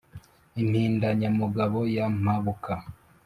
Impindanyamugabo ya Mpabuka,